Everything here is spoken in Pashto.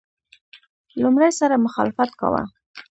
لومړي سره مخالفت کاوه.